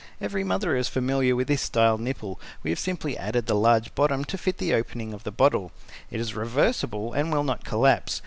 Every mother is familiar with this style nipple; we have simply added the large bottom to fit the opening of the bottle. It is reversible and will not collapse.